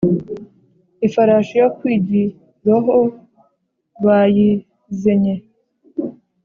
ifarashi yo kwigiroho bayizenye